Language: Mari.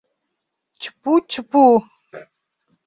Чпу-чпу!